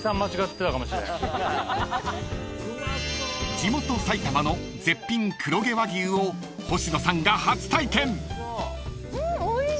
［地元埼玉の絶品黒毛和牛を星野さんが初体験！］